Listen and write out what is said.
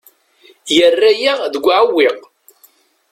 Yerra-yaɣ deg uɛewwiq.